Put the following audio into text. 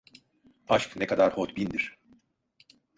Aşk ne kadar hodbindir!